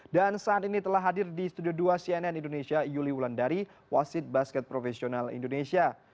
dan saat ini telah hadir di studio dua cnn indonesia yuli wulandari wasit basket profesional indonesia